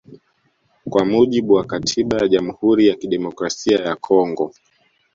Kwa mujibu wa katiba ya Jamhuri ya Kidemokrasia ya Kongo